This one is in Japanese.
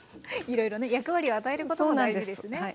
いろいろね役割を与えることも大事ですね。